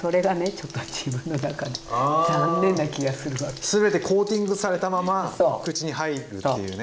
ちょっとああ全てコーティングされたまま口に入るっていうね。